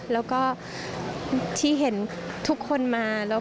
แล้วก็ที่เห็นทุกคนมา